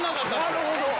なるほど！